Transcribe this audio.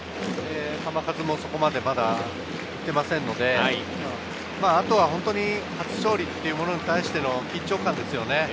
球数もまだそこまで行っていませんので、あとは本当に初勝利というものに対しての緊張感ですよね。